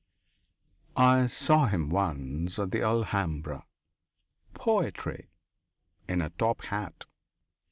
I saw him once at the Alhambra poetry in a top hat!